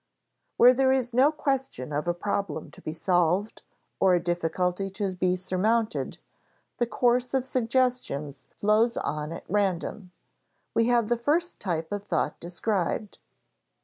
_ Where there is no question of a problem to be solved or a difficulty to be surmounted, the course of suggestions flows on at random; we have the first type of thought described.